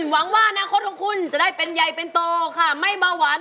ก็ควรให้ตัวคุณจะได้เป็นใหญ่เป็นโตค่ะไม่เบาหวาน